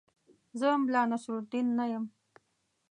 زه ملا نصرالدین نه یم.